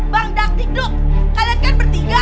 kak rang dap dik duk kalian kan bertiga